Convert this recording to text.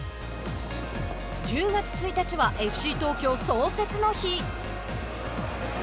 １０月１日はＦＣ東京創設の日。